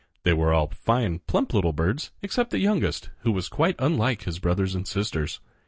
They were all fine, plump little birds except the youngest, who was quite unlike his brothers and sisters.